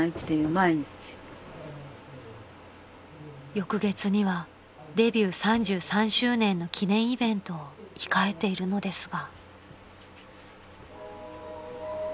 ［翌月にはデビュー３３周年の記念イベントを控えているのですが］